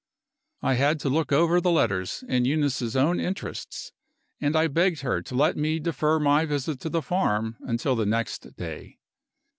I had to look over the letters, in Eunice's own interests; and I begged her to let me defer my visit to the farm until the next day.